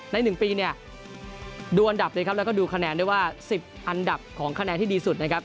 ใน๑ปีเนี่ยดูอันดับเลยครับแล้วก็ดูคะแนนด้วยว่า๑๐อันดับของคะแนนที่ดีสุดนะครับ